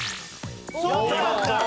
そうなんだ！